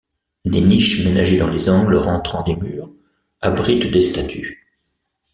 Des niches ménagées dans les angles rentrants des murs abritent des statues.